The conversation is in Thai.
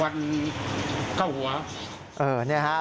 มันก็เอาจอบฟันเข้าหัว